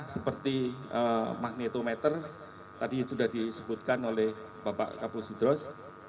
seperti magnetometer tadi sudah disebutkan oleh bapak kapol sidros